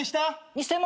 偽物。